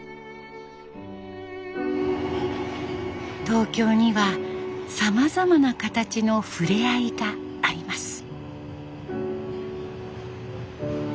東京にはさまざまな形のふれあいがあります。